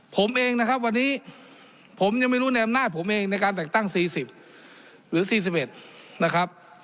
ผมเองนะครับวันนี้ผมยังไม่รู้ในอำนาจผมเองในการแต่งตั้ง๔๐หรือ๔๑นะครับ